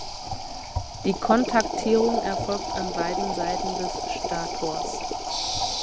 Die Kontaktierung erfolgt an beiden Seiten des Stators.